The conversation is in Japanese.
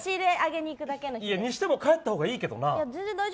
にしても帰ったほうがいいけどな。